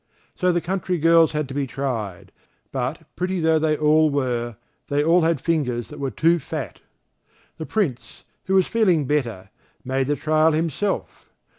So the country girls had to be tried, but pretty though they all were, they all had fingers that were too fat. The Prince, who was feeling better, made the trial himself.